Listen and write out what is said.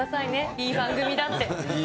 いい番組だって。